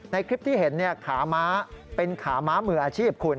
ในคลิปที่เห็นขาม้าเป็นขาม้ามืออาชีพคุณ